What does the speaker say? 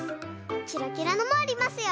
キラキラのもありますよ。